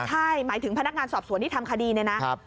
ใช่หมายถึงพนักงานสอบสวนที่ทำคดีเนี่ยนะ